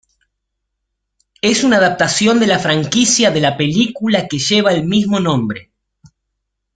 Es una adaptación de la franquicia de la película que lleva el mismo nombre.